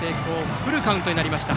フルカウントになりました。